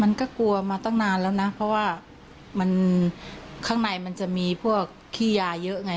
มันก็กลัวมาตั้งนานแล้วนะเพราะว่ามันข้างในมันจะมีพวกขี้ยาเยอะไง